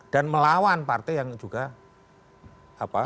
dan melawan partai yang juga berkuasa loh